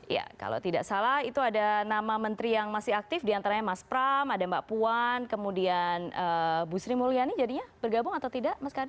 ya kalau tidak salah itu ada nama menteri yang masih aktif diantaranya mas pram ada mbak puan kemudian bu sri mulyani jadinya bergabung atau tidak mas kardi